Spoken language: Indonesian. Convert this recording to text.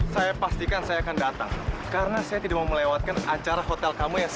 saya pastikan saya akan datang karena saya tidak mau melewatkan acara hotel kamu yang